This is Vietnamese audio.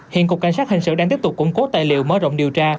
hiện cục cảnh sát hình sự đang tiếp tục củng cố tài liệu mở rộng điều tra